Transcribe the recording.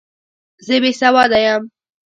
زه بې سواده یم!